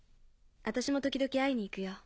私も時々会いに行くよ。